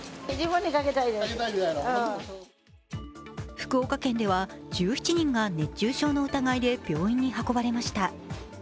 福岡県では１７人が熱中症の疑いで病院に運ばれました。